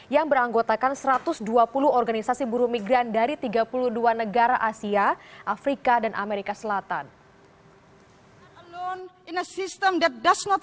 yang beranggotakan satu ratus dua puluh organisasi buru migran dari tiga puluh dua negara asia afrika dan amerika selatan